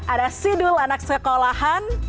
ada sidul anak sekolahan